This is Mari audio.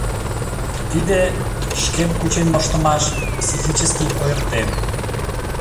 Тиде — шкем кучен моштымаш, психический ойыртем.